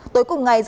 tối cùng ngày